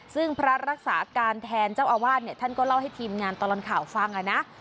ซึ่งพระรักษาการแทนเจ้าอาวาสเนี่ยท่านก็เล่าให้ทีมงานตลอดข่าวฟังนะ